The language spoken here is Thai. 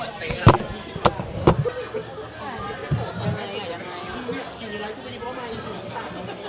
เหือวววววอร่อยว้าว